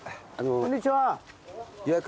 こんにちは。